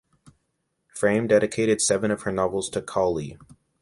Frame dedicated seven of her novels to Cawley.